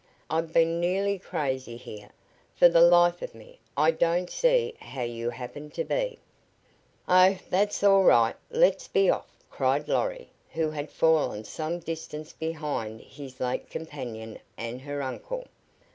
I've been nearly crazy here. For the life of me, I don't see how you happened to be " "Oh, that's all right. Let's be off," cried Lorry, who had fallen some distance behind his late companion and her uncle.